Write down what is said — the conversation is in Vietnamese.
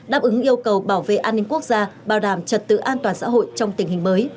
đáp ứng yêu cầu bảo vệ an ninh quốc gia bảo đảm trật tự an toàn xã hội trong tình hình mới